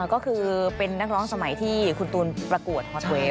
ก็คือเป็นนักร้องสมัยที่คุณตูนประกวดฮอตเวฟ